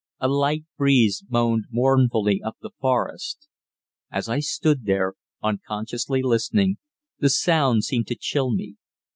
A light breeze moaned mournfully up the forest. As I stood there, unconsciously listening, the sound seemed to chill me.